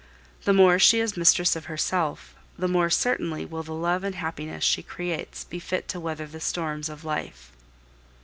The more she is mistress of herself, the more certainly will the love and happiness she creates be fit to weather the storms of life.